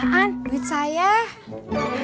ketika mereka berdua berdua berdua